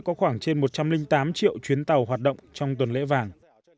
có khoảng trên một trăm linh tám triệu chuyến tàu hoạt động trong tuần lễ vàng